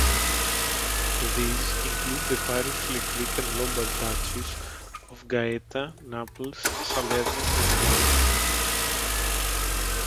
These include the variously Greek and Lombard duchies of Gaeta, Naples, Salerno and Amalfi.